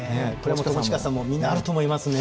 友近さんもみんなあると思いますね。